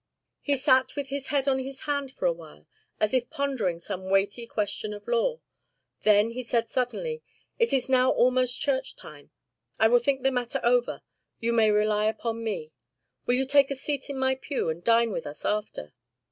"He sat with his head on his hand for a while, as if pondering some weighty question of law. Then he said suddenly: 'It is now almost church time. I will think the matter over. You may rely upon me. Will you take a seat in my pew and dine with us after?